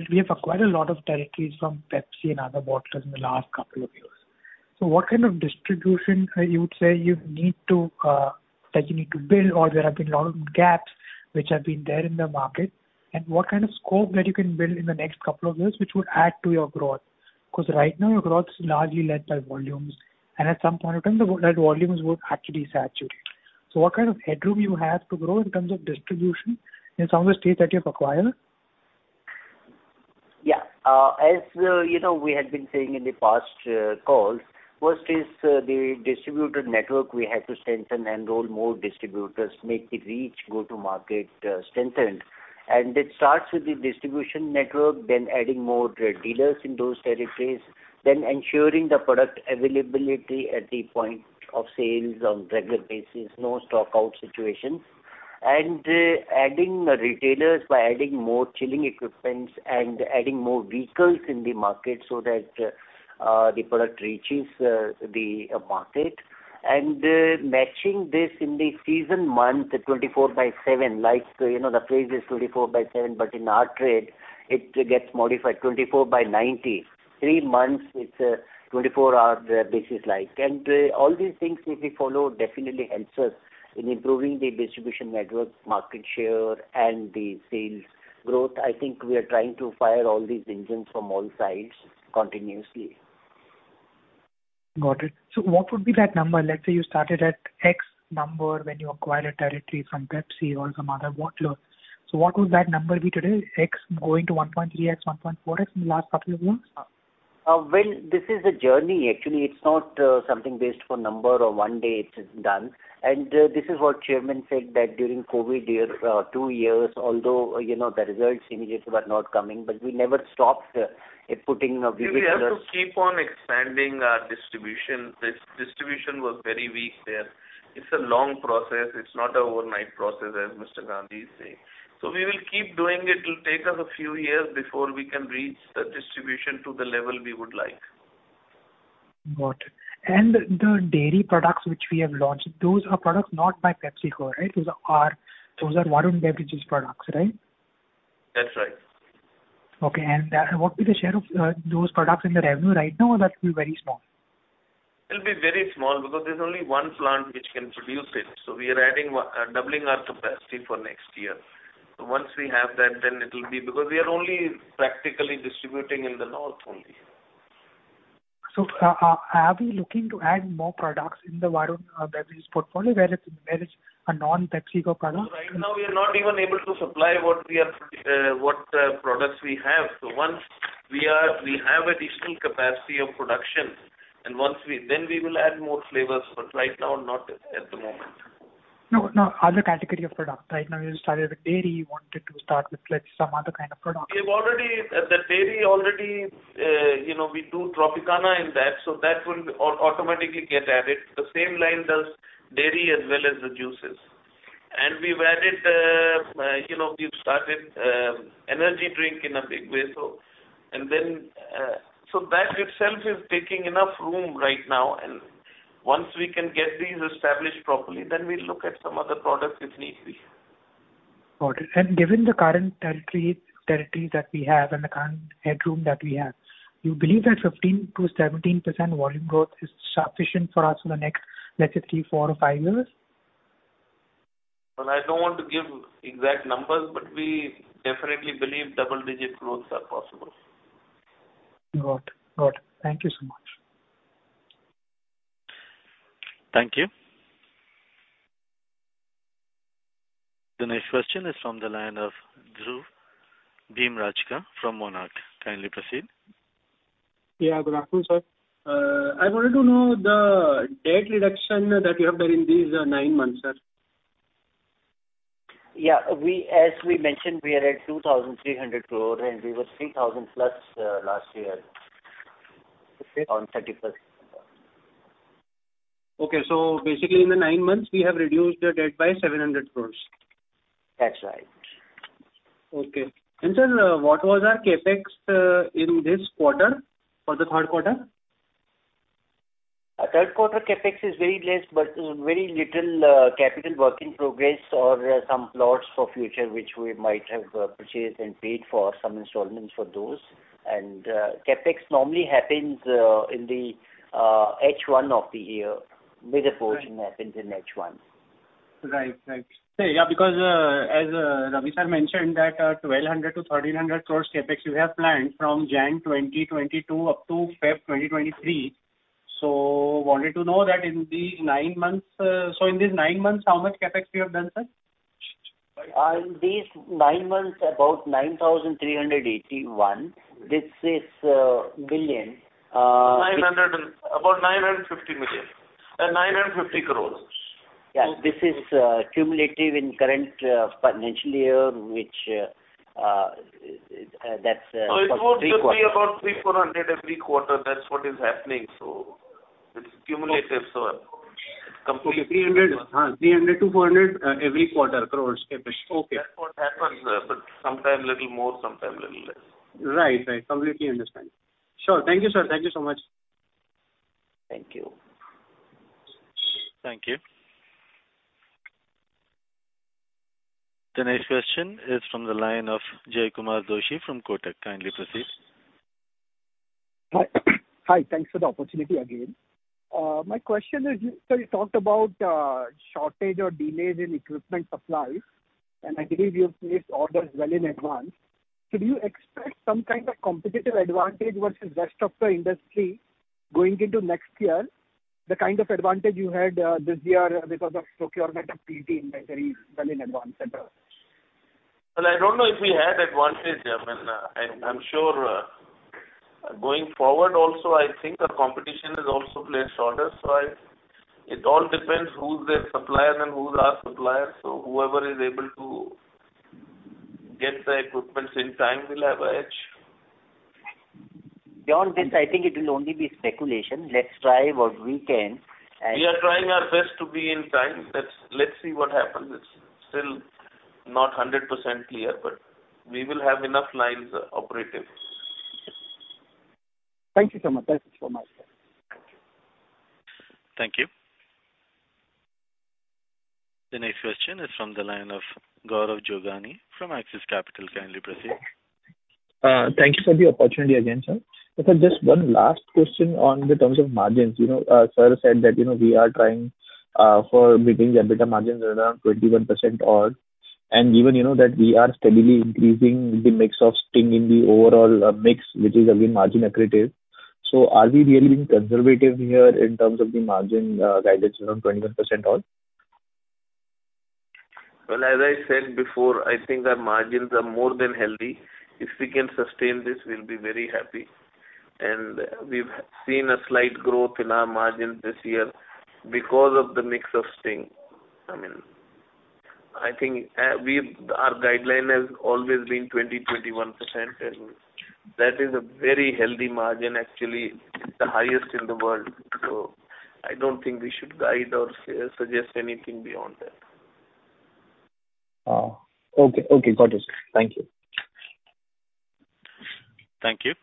we have acquired a lot of territories from Pepsi and other bottlers in the last couple of years. What kind of distribution you would say that you need to build or there have been a lot of gaps which have been there in the market? What kind of scope that you can build in the next couple of years which would add to your growth? Because right now, your growth is largely led by volumes, and at some point in time, the volume-led volumes will actually saturate. What kind of headroom you have to grow in terms of distribution in some of the states that you've acquired? Yeah. As you know, we had been saying in the past calls, first is the distributor network we have to strengthen, enroll more distributors, make the reach go-to-market strengthened. It starts with the distribution network, then adding more retailers in those territories, then ensuring the product availability at the point of sale on regular basis, no stock-out situations. Adding retailers by adding more chilling equipment and adding more vehicles in the market so that the product reaches the market. Matching this in the season month, 24/7, like, you know, the phrase is 24/7, but in our trade it gets modified, 24/90. Three months, it's a 24-hour basis like. All these things if we follow definitely helps us in improving the distribution network, market share and the sales growth. I think we are trying to fire all these engines from all sides continuously. Got it. What would be that number? Let's say you started at X number when you acquired a territory from Pepsi or some other bottler. What would that number be today? X going to 1.3x, 1.4x in the last couple of months? Well, this is a journey, actually. It's not something based on number or one day it is done. This is what chairman said that during COVID year two years, although you know the results immediately are not coming, but we never stopped putting. We have to keep on expanding our distribution. This distribution was very weak there. It's a long process. It's not an overnight process, as Mr. Gandhi is saying. We will keep doing it. It will take us a few years before we can reach the distribution to the level we would like. Got it. The dairy products which we have launched, those are products not by PepsiCo, right? Those are Varun Beverages products, right? That's right. Okay. What will the share of those products in the revenue right now or that will be very small? It'll be very small because there's only one plant which can produce it. We are doubling our capacity for next year. Once we have that, then it'll be because we are only practically distributing in the north only. Are we looking to add more products in the Varun Beverages portfolio, where it's a non-PepsiCo product? Right now we are not even able to supply what products we have. Once we have additional capacity of production, then we will add more flavors. Right now, not at the moment. No, no other category of product. Right now, you started with dairy. You wanted to start with like some other kind of product. We've already, you know, we do Tropicana in that, so that will automatically get added. The same line does dairy as well as the juices. You know, we've started energy drink in a big way. That itself is taking enough room right now. Once we can get these established properly, then we'll look at some other products if need be. Got it. Given the current territory that we have and the current headroom that we have, you believe that 15% to 17% volume growth is sufficient for us in the next, let's say, four or five years? Well, I don't want to give exact numbers, but we definitely believe double-digit growths are possible. Got it. Got it. Thank you so much. Thank you. The next question is from the line of Dhruv Bhimrajka from Monarch. Kindly proceed. Yeah. Good afternoon, sir. I wanted to know the debt reduction that you have done in these nine months, sir. Yeah. We, as we mentioned, we are at 2,300 crore and we were 3,000+ crore last year. Okay. On 31st. Okay. Basically in the nine months we have reduced the debt by 700 crore. That's right. Okay. Sir, what was our CapEx in this quarter or the third quarter? Third quarter CapEx is very less, but very little capital work in progress or some plots for future which we might have purchased and paid for some installments for those. CapEx normally happens in the H1 of the year. Right. Major portion happens in H1. Right. Yeah, because, as Ravi, sir mentioned that, 1,200 to 1,300 crores CapEx you have planned from January 2022 up to February 2023. Wanted to know that in these nine months, how much CapEx you have done, sir? In these nine months, about 9,381 billion. About 950 million. 950 crores. Yeah. This is cumulative in current financial year, which that's. It would just be about 300 to 400 every quarter. That's what is happening. It's cumulative, so 300 crores or 400 crores every quarter CapEx. That's what happens, but sometimes little more, sometimes little less. Right. Completely understand. Sure. Thank you, sir. Thank you so much. Thank you. Thank you. The next question is from the line of Jaykumar Doshi from Kotak. Kindly proceed. Hi. Thanks for the opportunity again. My question is, you said you talked about shortage or delays in equipment supplies, and I believe you've placed orders well in advance. Could you expect some kind of competitive advantage versus rest of the industry going into next year, the kind of advantage you had this year because of procurement of PT inventories well in advance and all? Well, I don't know if we had advantage. I mean, I'm sure going forward also I think our competition has also placed orders. It all depends who's their supplier and who's our supplier. Whoever is able to get the equipment in time will have an edge. Beyond this, I think it will only be speculation. Let's try what we can. We are trying our best to be in time. Let's see what happens. It's still not 100% clear, but we will have enough lines operative. Thank you so much. Thank you so much, sir. Thank you. Thank you. The next question is from the line of Gaurav Jogani from Axis Capital. Kindly proceed. Thank you for the opportunity again, sir. Just one last question in terms of margins. You know, sir said that, you know, we are trying to meet the EBITDA margins around 21% odd, and even you know that we are steadily increasing the mix of Sting in the overall mix, which is, again, margin accretive. Are we really being conservative here in terms of the margin guidance around 21% odd? Well, as I said before, I think our margins are more than healthy. If we can sustain this, we'll be very happy. We've seen a slight growth in our margins this year because of the mix of Sting. I mean, I think, our guideline has always been 20% to 21%, and that is a very healthy margin, actually. It's the highest in the world. I don't think we should guide or suggest anything beyond that. Oh, okay. Got it. Thank you. Thank you.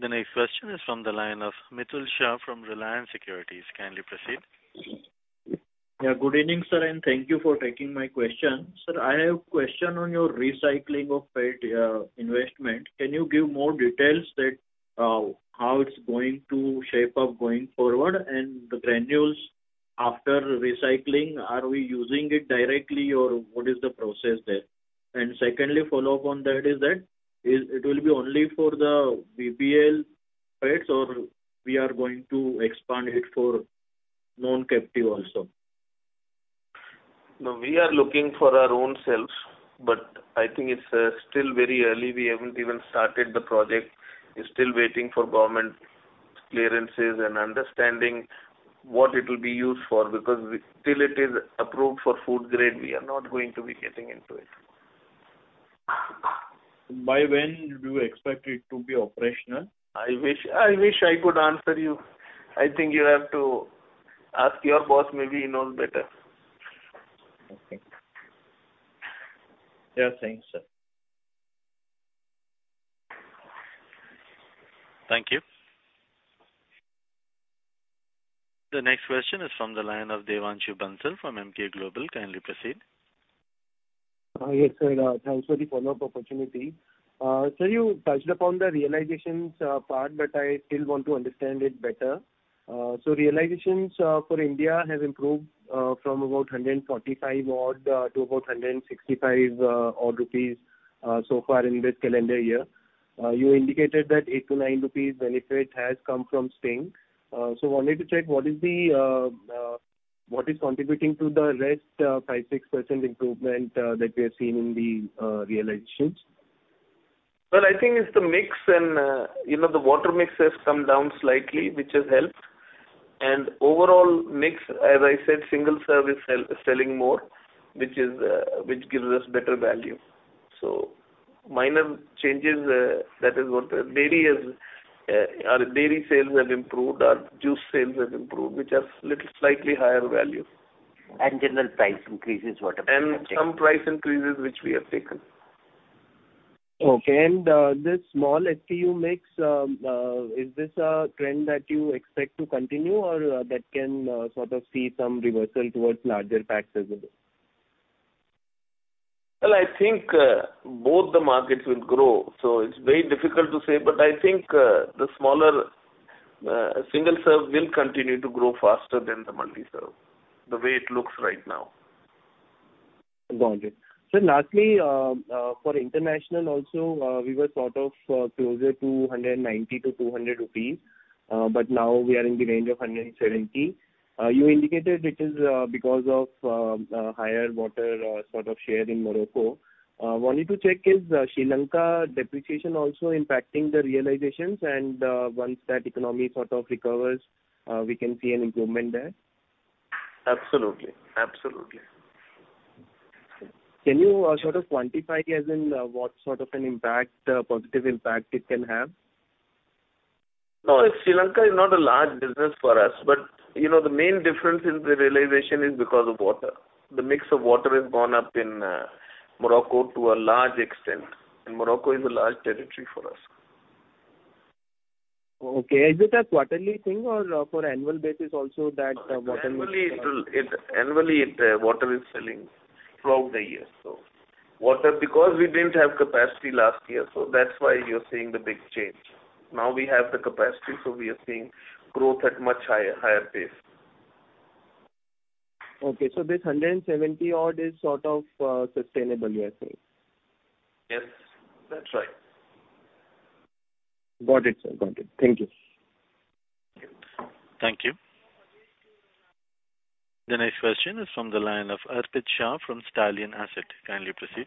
The next question is from the line of Mitul Shah from Reliance Securities. Kindly proceed. Yeah, good evening, sir, and thank you for taking my question. Sir, I have a question on your recycling of PT investment. Can you give more details that, how it's going to shape up going forward? The granules after recycling, are we using it directly or what is the process there? Secondly, follow-up on that is that, is it will be only for the VBL PT or we are going to expand it for non-captive also? No, we are looking for our own selves, but I think it's still very early. We haven't even started the project. We're still waiting for government clearances and understanding what it'll be used for. Because till it is approved for food grade, we are not going to be getting into it. By when do you expect it to be operational? I wish I could answer you. I think you have to ask your boss. Maybe he knows better. Okay. Yeah. Thanks, sir. Thank you. The next question is from the line of Devanshu Bansal from Emkay Global. Kindly proceed. Yes, sir. Thanks for the follow-up opportunity. Sir, you touched upon the realizations part. I still want to understand it better. Realizations for India have improved from about 145 odd to about 165 rupees odd so far in this calendar year. You indicated that 8 to 9 rupees benefit has come from Sting. Wanted to check what is contributing to the rest 5% to 6% improvement that we are seeing in the realizations? Well, I think it's the mix and, you know, the water mix has come down slightly, which has helped. Overall mix, as I said, single serve is selling more, which gives us better value. Minor changes, that is what the dairy is. Our dairy sales have improved, our juice sales have improved, which are little slightly higher value. General price increases water. Some price increases which we have taken. Okay. This small SKU mix, is this a trend that you expect to continue or that can sort of see some reversal towards larger packs as well? Well, I think both the markets will grow, so it's very difficult to say. I think the smaller single serve will continue to grow faster than the multi-serve, the way it looks right now. Got it. Lastly, for international also, we were sort of closer to 190 to 200 rupees, but now we are in the range of 170. You indicated it is because of higher weighted share in Morocco. Wanted to check, is Sri Lanka depreciation also impacting the realizations? Once that economy sort of recovers, we can see an improvement there? Absolutely. Absolutely. Can you sort of quantify as in what sort of an impact positive impact it can have? No, Sri Lanka is not a large business for us, but, you know, the main difference in the realization is because of water. The mix of water has gone up in Morocco to a large extent, and Morocco is a large territory for us. Okay. Is it a quarterly thing or for annual basis also that, water. Annually, water is selling throughout the year, so. Water because we didn't have capacity last year, so that's why you're seeing the big change. Now we have the capacity, so we are seeing growth at much higher pace. Okay. This 170 odd is sort of, sustainable, you're saying? Yes, that's right. Got it, sir. Got it. Thank you. Thank you. Thank you. The next question is from the line of Arpit Shah from Stallion Asset. Kindly proceed.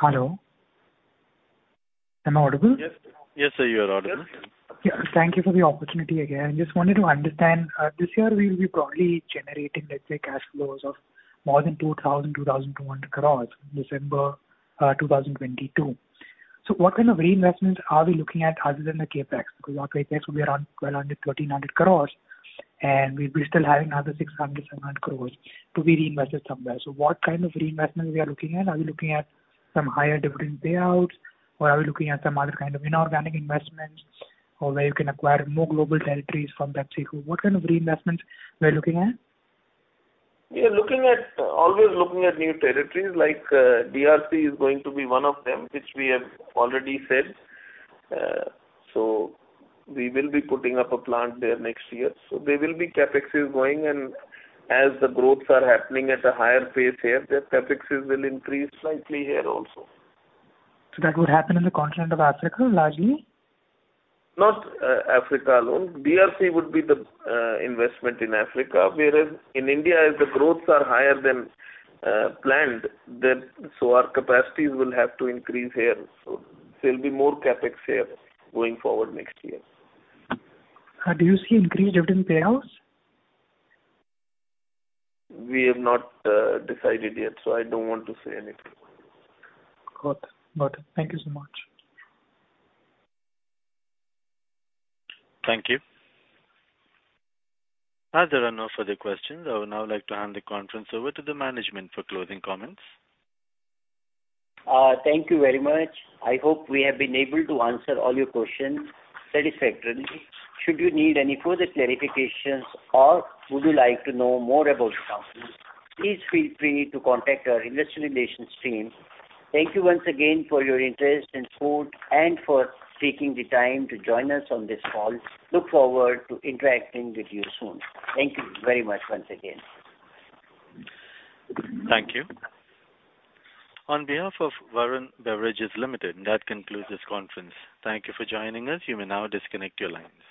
Hello. Am I audible? Yes. Yes, sir, you are audible. Yeah, thank you for the opportunity again. Just wanted to understand, this year we'll be probably generating, let's say, cash flows of more than 2,200 crores December 2022. What kind of reinvestments are we looking at other than the CapEx? Because our CapEx will be around 1,200 toINR 1,300 crores, and we will still have another 600 to 700 crores to be reinvested somewhere. What kind of reinvestment we are looking at? Are we looking at some higher dividend payouts, or are we looking at some other kind of inorganic investments or where you can acquire more global territories from PepsiCo? What kind of reinvestments we are looking at? We are always looking at new territories like DRC, which is going to be one of them, which we have already said. We will be putting up a plant there next year. There will be CapEx going, and as the growths are happening at a higher pace here, the CapEx will increase slightly here also. That would happen in the continent of Africa, largely? Not Africa alone. DRC would be the investment in Africa, whereas in India if the growths are higher than planned, then so our capacities will have to increase here. There'll be more CapEx here going forward next year. Do you see increased dividend payouts? We have not decided yet, so I don't want to say anything. Got it. Got it. Thank you so much. Thank you. As there are no further questions, I would now like to hand the conference over to the management for closing comments. Thank you very much. I hope we have been able to answer all your questions satisfactorily. Should you need any further clarifications or would you like to know more about the company, please feel free to contact our investor relations team. Thank you once again for your interest and support and for taking the time to join us on this call. Look forward to interacting with you soon. Thank you very much once again. Thank you. On behalf of Varun Beverages Limited, that concludes this conference. Thank you for joining us. You may now disconnect your lines.